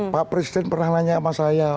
pak presiden pernah nanya sama saya